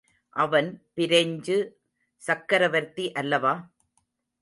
அவன், பிரெஞ்சு சக்கரவர்த்தி அல்லவா?